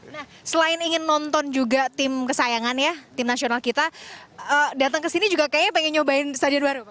nah selain ingin nonton juga tim kesayangan ya tim nasional kita datang ke sini juga kayaknya pengen nyobain stadion baru